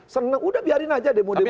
seneng udah biarin aja demo demo